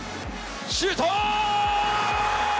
シュート！